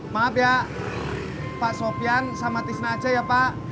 maaf ya pak sofian sama tisna aja ya pak